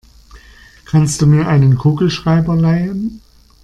Kannst du mir einen Kugelschreiber leihen?